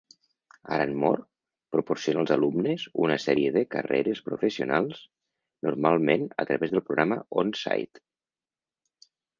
Aranmore proporciona als alumnes una sèrie de carreres professionals, normalment a través del programa OnSIte.